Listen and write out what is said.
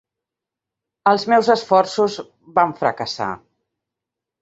Els meus esforços van fracassar.